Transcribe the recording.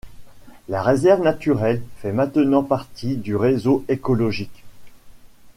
La réserve naturelle fait maintenant partie du réseau écologique.